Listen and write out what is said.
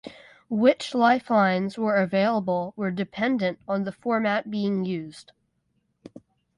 Which lifelines were available were dependent on the format being used.